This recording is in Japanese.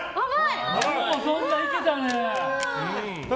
よう、そんないけたね。